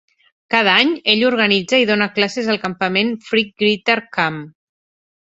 Cada any, ell organitza i dóna classes al campament Freak Guitar Camp.